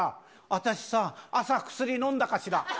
私さ、朝薬飲んだかしら？